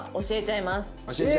教えちゃいます。